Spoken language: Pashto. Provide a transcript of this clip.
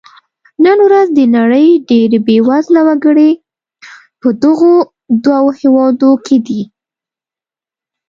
نن ورځ د نړۍ ډېری بېوزله وګړي په دغو دوو هېوادونو کې دي.